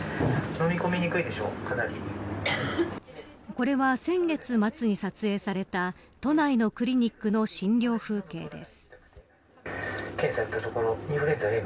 これは、先月末に撮影された都内のクリニックの診療風景です。